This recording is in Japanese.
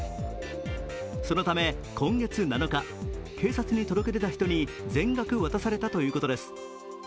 そのため今月７日、警察に届け出た人に全額渡されたということです。